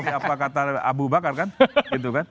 seperti apa kata abu bakar kan